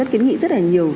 kiến nghị rất là nhiều